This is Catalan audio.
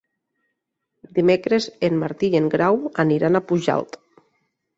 Dimecres en Martí i en Grau iran a Pujalt.